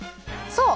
そう！